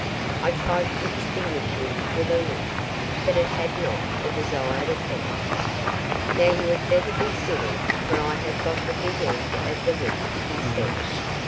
I tried to extinguish him with a look, but it had not the desired effect. "Now you had better be civil, for I have got the big end of the whip," he said.